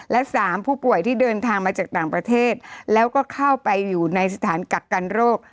และ๓ผู้ป่วยที่เดินทางมาจากต่างประเทศแล้วก็เข้าไปอยู่ในสถานกักกันโรค